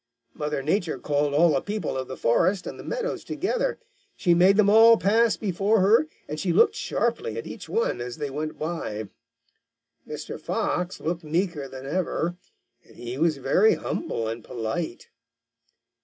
Mother Nature called all the people of the forest and the meadows together. She made them all pass before her, and she looked sharply at each one as they went by. Mr. Fox looked meeker than ever, and he was very humble and polite.